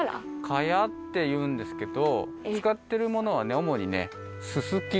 かやっていうんですけどつかってるものはおもにねすすき。